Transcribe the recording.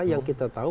yang kita tahu